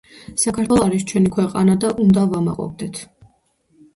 საქართველო არის ჩვენი ქვეყანა და უნდა ვამაყობდეთ